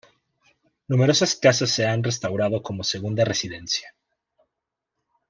Numerosas casas se han restaurado como segunda residencia.